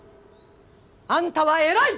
あんたは偉い！